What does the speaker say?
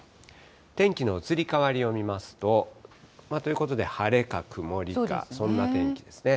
天気の移り変わりを見ますと、ということで晴れか曇りか、そんな天気ですね。